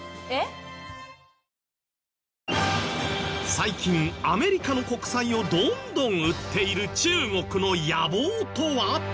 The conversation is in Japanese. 最近アメリカの国債をどんどん売っている中国の野望とは？